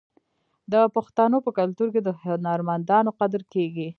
د پښتنو په کلتور کې د هنرمندانو قدر کیږي.